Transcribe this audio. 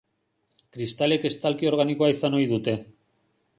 Kristalek estalki organikoa izan ohi dute.